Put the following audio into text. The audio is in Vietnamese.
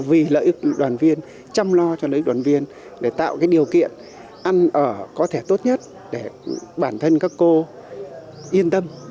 vì lợi ích đoàn viên chăm lo cho lợi đoàn viên để tạo điều kiện ăn ở có thể tốt nhất để bản thân các cô yên tâm